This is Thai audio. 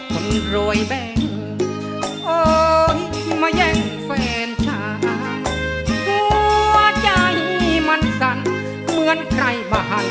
คนรวยแบงโอ้ยมายังแฟนชาหัวใจมันสั่นเหมือนใครบ้าง